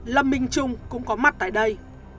lâm minh trung cũng có mặt tại đây